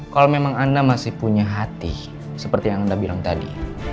kalau memang anda masih punya hati seperti yang anda bilang tadi